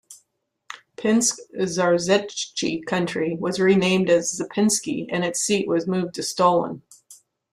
Pinsk-Zarzeche country was renamed as Zapynsky and its seat was moved to Stolin.